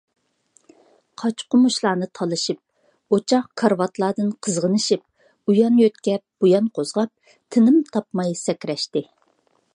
قاچا - قومۇچلارنى تالىشىپ، ئوچاق، كارىۋاتلاردىن قىزغىنىشىپ، ئۇيان يۆتكەپ - بۇيان قوزغاپ، تىنىم تاپماي سەكرەشتى.